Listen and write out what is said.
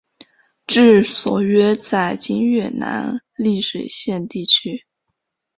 治所约在今越南丽水县地区。